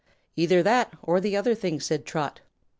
"Either that or the other thing," said Trot.